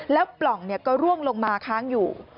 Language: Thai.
แล้วปล่องก็ร่วงลงมาค้างอยู่